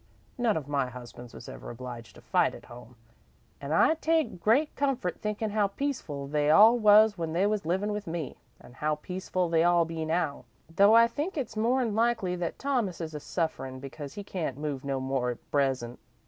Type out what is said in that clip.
None of my husbands was ever obliged to fight at home an' I take great comfort thinkin' how peaceful they all was when they was livin' with me, an' how peaceful they all be now, though I think it's more 'n likely that Thomas is a sufferin' because he can't move no more at present."